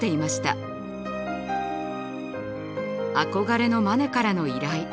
憧れのマネからの依頼。